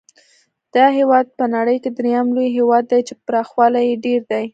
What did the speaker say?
دا هېواد په نړۍ کې درېم لوی هېواد دی چې پراخوالی یې ډېر دی.